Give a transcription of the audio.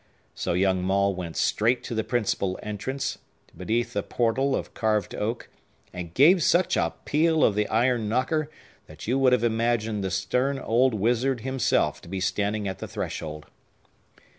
So young Maule went straight to the principal entrance, beneath a portal of carved oak, and gave such a peal of the iron knocker that you would have imagined the stern old wizard himself to be standing at the threshold.